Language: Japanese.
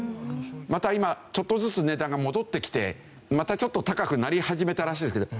また今ちょっとずつ値段が戻ってきてまたちょっと高くなり始めたらしいですけど。